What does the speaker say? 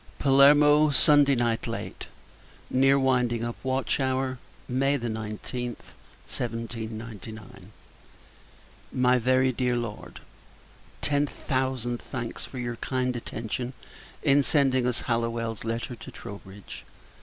Palermo, Sunday Night late, near winding up watch hour, May 19th, 1799. MY VERY DEAR LORD, Ten thousand thanks for your kind attention in sending us Hallowell's letter to Troubridge.